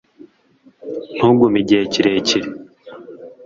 ntugume igihe kirekire